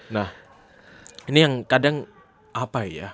nah ini yang kadang apa ya